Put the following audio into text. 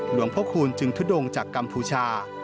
หลวงพระคูณจึงทุดงจากกัมพูชา